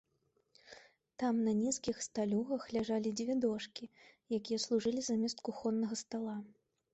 Там на нізкіх сталюгах ляжалі дзве дошкі, якія служылі замест кухоннага стала.